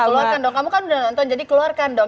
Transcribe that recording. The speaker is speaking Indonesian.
keluarkan dong kamu kan udah nonton jadi keluarkan dong